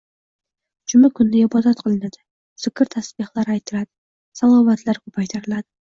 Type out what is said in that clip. Juma kunda ibodat qilinadi, zikr-tasbehlar aytiladi, salavotlar ko‘paytiriladi.